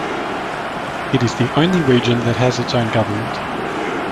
It is the only region that has its own government.